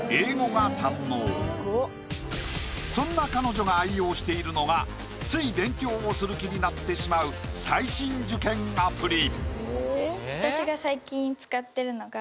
そんな彼女が愛用しているのがつい勉強をする気になってしまう最新受験アプリ